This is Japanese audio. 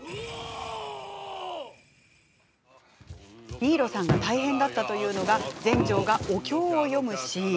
新納さんが大変だったというのが全成がお経を読むシーン。